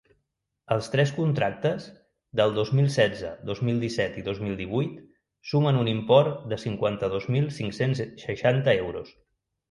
Els tres contractes, del dos mil setze, dos mil disset i dos mil divuit, sumen un import de cinquanta-dos mil cinc-cents seixanta euros.